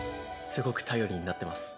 すごく頼りになってます。